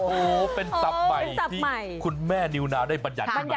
โอ้โฮเป็นตับใหม่ที่คุณแม่นิวนะได้บัญญาณขึ้นมาแล้ว